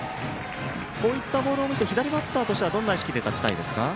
こういったボールを見て左バッターとしてはどんな意識で立ちたいですか？